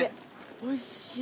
おいしい。